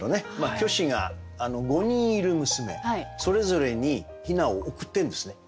虚子が５人いる娘それぞれに雛を贈ってるんですね。